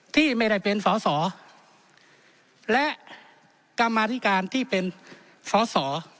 ที่ไม่ได้เป็นสอสอและกรรมาธิการที่เป็นสอสอ